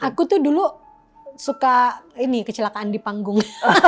aku tuh dulu suka ini kecelakaan di panggung